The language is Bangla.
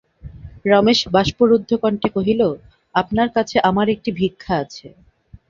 রমেশ বাষ্পরুদ্ধকণ্ঠে কহিল, আপনার কাছে আমার একটি ভিক্ষা আছে।